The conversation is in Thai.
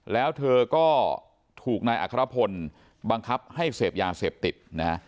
แล้วเธอก็ถูกนายอัครพลบังคับให้เสพยาเสพติดนะฮะ